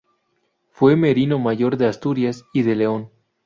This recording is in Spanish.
Fue merino mayor de Asturias y de León.